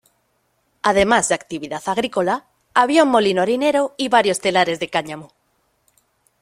Además de actividad agrícola, había un molino harinero y varios telares de cáñamo.